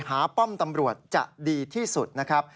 ป้อมตำรวจจะดีที่สุดนะครับ